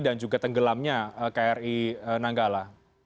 dan juga tenggelamnya kri nanggala